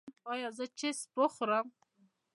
ایا زه چپس وخورم؟